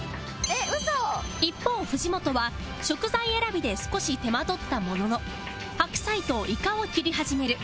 一方藤本は食材選びで少し手間取ったものの白菜とイカを切り始める